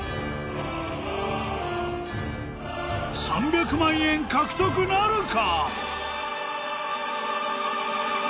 ３００万円獲得なるか？